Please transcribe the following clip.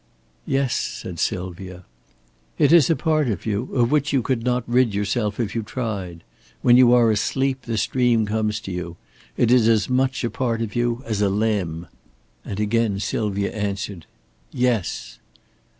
"Yes," said Sylvia. "It is a part of you of which you could not rid yourself if you tried. When you are asleep, this dream comes to you. It is as much a part of you as a limb." And again Sylvia answered: "Yes."